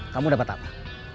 kamu dapat apa